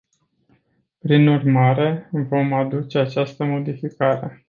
Prin urmare, vom aduce această modificare.